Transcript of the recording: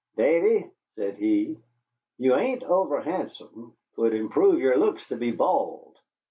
"Davy," said he, "you ain't over handsome. 'Twouldn't improve yere looks to be bald.